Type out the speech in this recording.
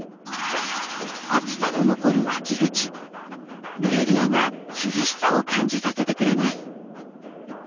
暑さの残る秋口ルエリアが涼しさを感じさせてくれます。